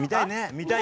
見たい！